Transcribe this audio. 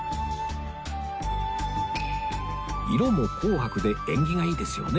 色も紅白で縁起がいいですよね